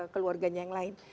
keluarganya yang lain